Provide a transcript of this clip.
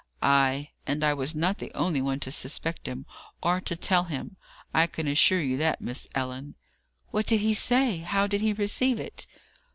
"Ay. And I was not the only one to suspect him, or to tell him. I can assure you that, Miss Ellen." "What did he say? How did he receive it?"